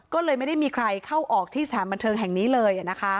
ก็เลยไม่ได้มีใครเข้าออกที่สถานบันเทิงแห่งนี้เลย